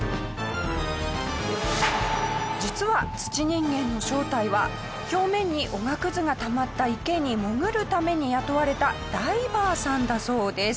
実は土人間の正体は表面におがくずがたまった池に潜るために雇われたダイバーさんだそうです。